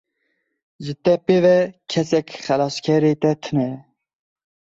Ji te pê ve kesek xelaskerê te tune ye.